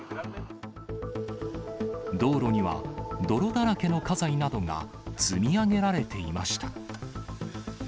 道路には泥だらけの家財などが、積み上げられていました。